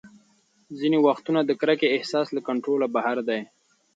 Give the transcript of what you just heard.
ځینې وختونه د کرکې احساس له کنټروله بهر دی.